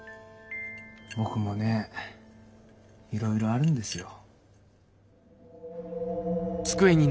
僕もねいろいろあるんですよ。